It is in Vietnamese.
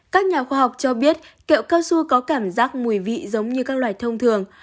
các nhà khoa học cho biết kẹo cao su có cảm giác mùi vị giống như các loài thông thường